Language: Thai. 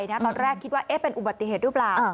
ตอนแรกคิดว่าเป็นอุบัติเหตุหรือเปล่า